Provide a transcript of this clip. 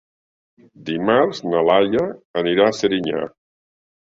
Dimarts na Laia anirà a Serinyà.